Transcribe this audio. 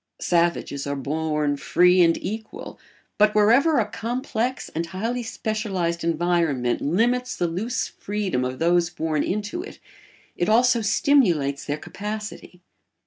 Savages are born free and equal, but wherever a complex and highly specialised environment limits the loose freedom of those born into it, it also stimulates their capacity.